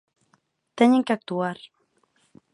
Teñen que actuar.